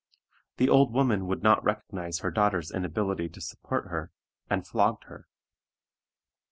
The old woman would not recognize her daughter's inability to support her, and flogged her.